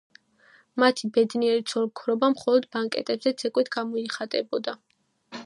მათი ბედნიერი ცოლ-ქმრობა მხოლოდ ბანკეტებზე ცეკვით გამოიხატებოდა.